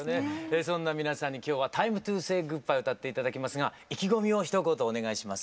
そんな皆さんに今日は「ＴＩＭＥＴＯＳＡＹＧＯＯＤＢＹＥ」を歌って頂きますが意気込みをひと言お願いします。